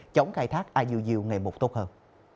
chống khai thác iuu ngày một tốt hơn